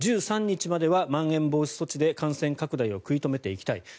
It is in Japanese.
１３日まではまん延防止措置で感染拡大を食い止めていきたい。